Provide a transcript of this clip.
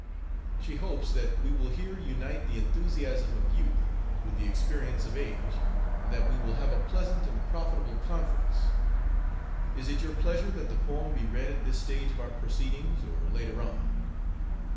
She hopes that we will here unite the enthusiasm of youth with the experience of age, and that we will have a pleasant and profitable conference. Is it your pleasure that the poem be read at this stage of our proceedings, or later on?"